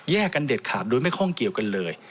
กันเด็ดขาดโดยไม่ข้องเกี่ยวกันเลย